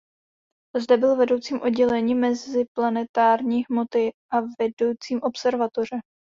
Zde byl vedoucím oddělení meziplanetární hmoty a vedoucím observatoře.